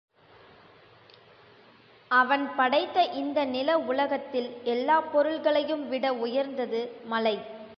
அவன் படைத்த இந்த நில உலகத்தில் எல்லாப் பொருள்களையும்விட உயர்ந்தது மலை.